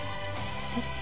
えっ？